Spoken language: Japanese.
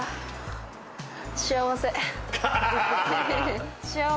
幸せ！